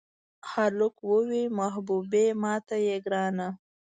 هلک ووې محبوبې ماته یې ګرانه.